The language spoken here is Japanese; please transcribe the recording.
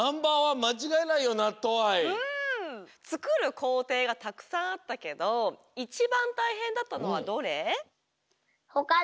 つくるこうていがたくさんあったけどいちばんたいへんだったのはどれ？